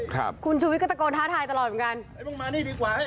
คุณชุวิตก็ตะโกนท้าทายตลอดเหมือนกัน